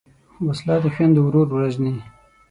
وسله د خویندو ورور وژني